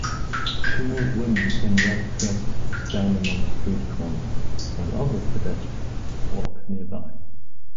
Two women in red dresses are standing on a street corner while other pedestrians walk nearby.